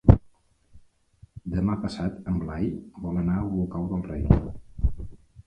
Demà passat en Blai vol anar a Olocau del Rei.